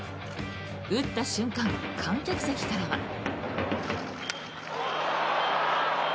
打った瞬間、観客席からは。